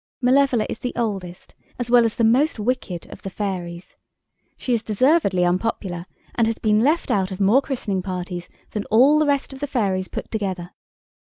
Malevola is the oldest, as well as the most wicked, of the fairies. She is deservedly unpopular, and has been left out of more christening parties than all the rest of the fairies put together.